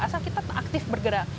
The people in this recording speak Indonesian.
asal kita aktif bergerak